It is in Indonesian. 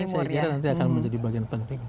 di sini saya kira nanti akan menjadi bagian penting